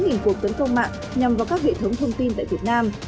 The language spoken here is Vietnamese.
đã ghi nhận gần bốn cuộc tấn công mạng nhằm vào các hệ thống thông tin tại việt nam